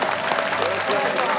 よろしくお願いします。